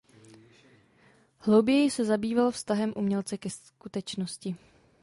Hlouběji se zabýval vztahem umělce ke skutečnosti.